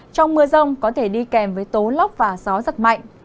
trong mưa rong có thể đi kèm với tố lốc và gió rất mạnh